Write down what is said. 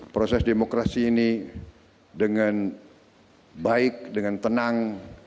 proses demokrasi ini dengan baik dengan tenang